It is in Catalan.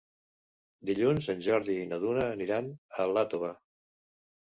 Dilluns en Jordi i na Duna aniran a Iàtova.